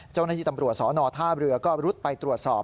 เจ้าหน้าที่ตำรวจสนท่าเรือก็รุดไปตรวจสอบ